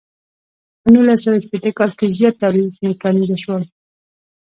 په نولس سوه شپیته کال کې زیات تولیدات میکانیزه شول.